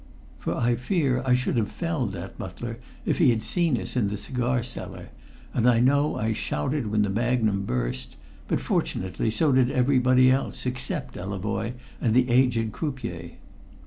For I fear I should have felled that butler if he had seen us in the cigar cellar, and I know I shouted when the magnum burst; but fortunately so did everybody else except Delavoye and the aged croupier.